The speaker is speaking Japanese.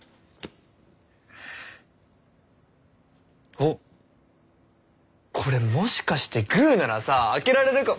あっこれもしかしてグーならさ開けられるかも。